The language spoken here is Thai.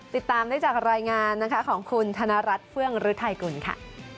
ติดตามได้จากรายงานของคุณธนรัฐเฟื้องฤทธิ์ไทยกลุ่นค่ะ